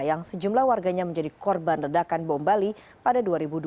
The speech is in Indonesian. yang sejumlah warganya menjadi korban ledakan bom bali pada dua ribu dua belas